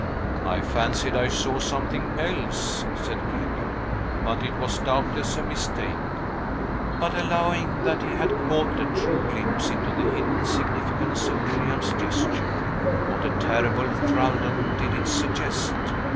"I fancied I saw something else," said Kenyon; "but it was doubtless a mistake." But, allowing that he had caught a true glimpse into the hidden significance of Miriam's gesture, what a terrible thraldom did it suggest!